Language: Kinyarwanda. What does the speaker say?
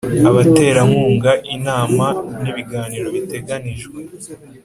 abaterankunga Inama n Ibiganiro biteganijwe